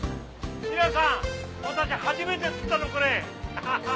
皆さん私初めて釣ったのこれ！